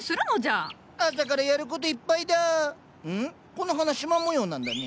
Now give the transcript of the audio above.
この花しま模様なんだね。